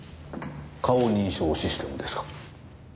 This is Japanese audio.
顔認証システムですか？